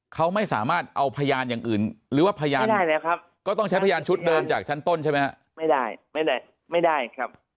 เขาไม่สามารถก็ได้ใช้พระยานชุดเดิมในงานนะครับ